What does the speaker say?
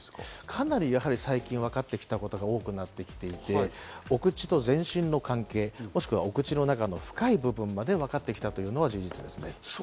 かなり最近分かってきたことが多くなっていて、お口と全身の関係、もしくはお口の中の深い部分まで分かってきたというのは事実ですね。